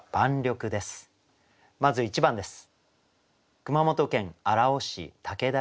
まず１番です。